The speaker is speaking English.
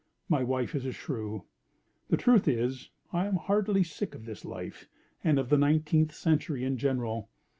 My wife is a shrew. The truth is, I am heartily sick of this life and of the nineteenth century in general.